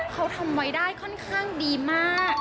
เขาทำไว้ได้ค่อนข้างดีมาก